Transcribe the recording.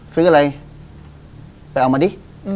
ซื้ออะไรไปเอามาดิ